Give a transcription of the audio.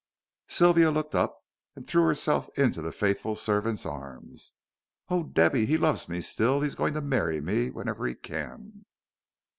Sylvia looked up, and threw herself into the faithful servant's arms. "Oh, Debby, he loves me still; he's going to marry me whenever he can."